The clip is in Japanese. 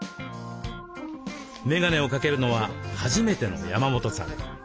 メガネを掛けるのは初めての山本さん。